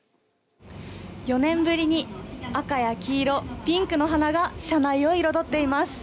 ４年ぶりに、赤や黄色ピンクの花が車内を彩っています。